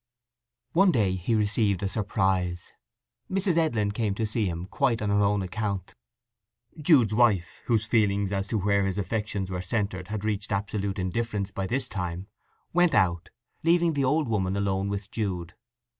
One day he received a surprise. Mrs. Edlin came to see him, quite on her own account. Jude's wife, whose feelings as to where his affections were centred had reached absolute indifference by this time, went out, leaving the old woman alone with Jude.